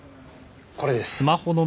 これです。